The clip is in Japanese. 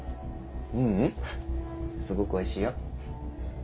ううんすごくおいしいよ。